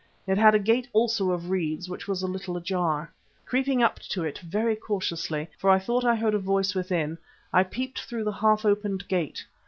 It had a gate also of reeds, which was a little ajar. Creeping up to it very cautiously, for I thought I heard a voice within, I peeped through the half opened gate.